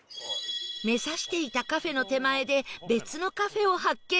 目指していたカフェの手前で別のカフェを発見